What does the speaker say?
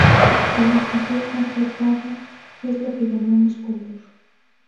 La magnitud conservada es lo que llamamos "color".